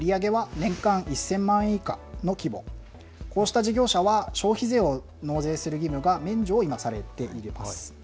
売り上げは年間１０００万円以下の規模、こうした事業者は消費税を納税する義務が免除されています。